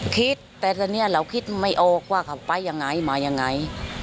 คิดแต่ตอนนี้เราคิดไม่ออกว่าเขาไปยังไงมายังไง